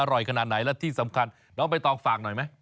อร่อยขนาดไหนและที่สำคัญน้องใบตองฝากหน่อยไหม